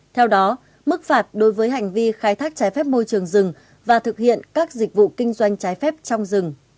theo đó mức phạt đối với hành vi khai thác trái phép môi trường rừng và thực hiện các dịch vụ kinh doanh trái phép trong rừng